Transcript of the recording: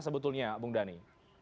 sebetulnya bung dhani